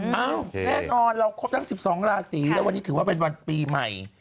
แน่นอนเราครบทั้ง๑๒ราศีแล้ววันนี้ถือว่าเป็นวันปีใหม่